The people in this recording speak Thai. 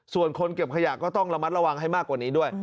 ส่วนคนเก็บขยะก็ต้องระมัดระวังให้มากกว่านี้ด้วย